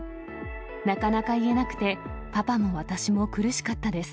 なかなか言えなくて、パパも私も苦しかったです。